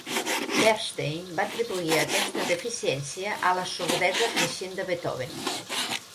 Bernstein va atribuir aquesta deficiència a la sordesa creixent de Beethoven.